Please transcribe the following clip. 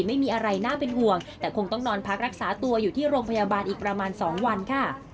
ไม่มีอะไรน่าเป็นห่วงแต่คงต้องนอนพักรักษาตัวอยู่ที่โรงพยาบาลอีกประมาณ๒วันค่ะ